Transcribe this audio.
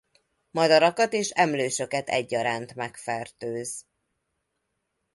Madarakat és emlősöket egyaránt megfertőz.